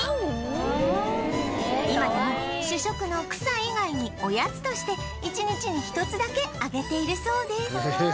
今でも主食の草以外におやつとして一日に１つだけあげているそうです